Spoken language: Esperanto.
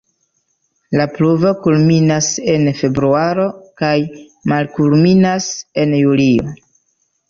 La pluvo kulminas en februaro kaj malkulminas en julio.